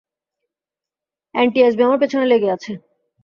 NTSB আমার পেছনে লেগে আছে।